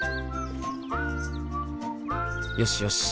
よしよし